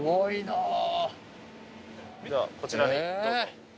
ではこちらにどうぞ。